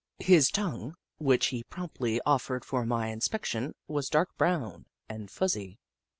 His tongue, which he promptly offered for my inspection, was dark brown and fuzzy.